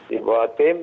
di bawah tim